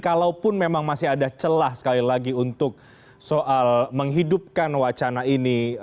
kalaupun memang masih ada celah sekali lagi untuk soal menghidupkan wacana ini